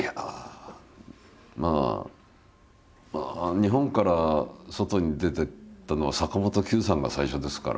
日本から外に出てったのは坂本九さんが最初ですから。